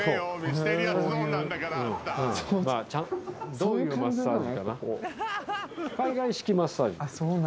・どういうマッサージかな？